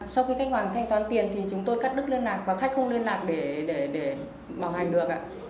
sau khi khách hoàn thanh toán tiền thì chúng tôi cắt đứt liên lạc và khách không liên lạc để bảo hành được ạ